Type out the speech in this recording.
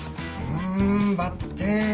うーんばってん。